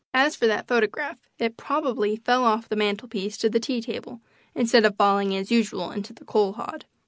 As for that photograph, it probably fell off the mantel piece to the tea table, instead of falling, as usual, into the coal hod.